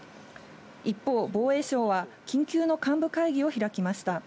一方、防衛省は緊急の幹部会議を開きました。